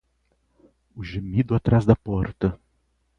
O gemido atrás da porta